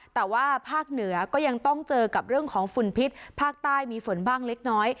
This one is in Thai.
แต่ว่าภาคเหนือก็ยังต้องเจอกับเรื่องของฝุ่นพิษภาคใต้มีฝนบ้างเล็กน้อย